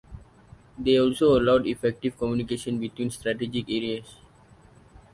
They also allowed effective communication between strategic areas.